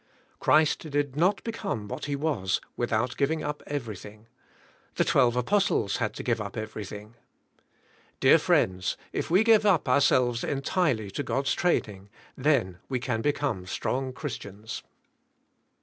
Christ did not become what He was without giving up everything; the twelve apostles had to give up everything. Dear friends, if we give up ourselves entirely to God's training then we can become strong Christians.